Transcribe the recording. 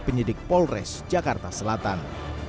penyidik polres jakarta selatan